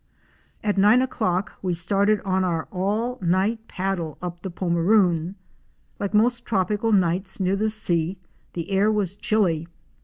At nine o'clock we started on our all night paddle up the Pomeroon. Like most tropical nights near the sea the air was chilly.